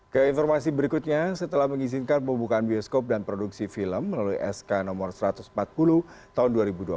ke informasi berikutnya setelah mengizinkan pembukaan bioskop dan produksi film melalui sk no satu ratus empat puluh tahun dua ribu dua puluh